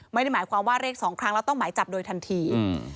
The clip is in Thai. ไม่ได้หมายความว่าเรียกสองครั้งแล้วต้องหมายจับโดยทันที